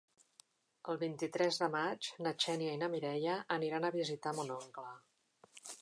El vint-i-tres de maig na Xènia i na Mireia aniran a visitar mon oncle.